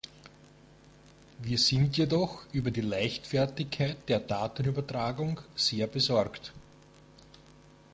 Wir sind jedoch über die Leichtfertigkeit der Datenübertragung sehr besorgt.